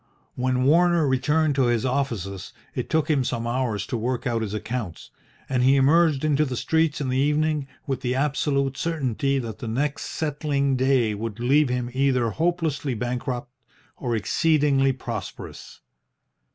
When Warner returned to his offices it took him some hours to work out his accounts, and he emerged into the streets in the evening with the absolute certainty that the next settling day would leave him either hopelessly bankrupt or exceedingly prosperous.